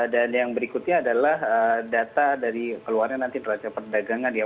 dan yang berikutnya adalah data dari keluarnya nanti terlalu cepat dagangan ya